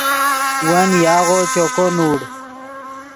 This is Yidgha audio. ون یاغو چوکو نوڑ